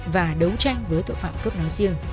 và đấu tranh với tội phạm cướp nói riêng